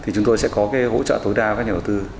chúng tôi sẽ có hỗ trợ tối đa